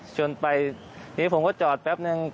โชนไปอีกผมก็จอดแป๊บหนึ่ง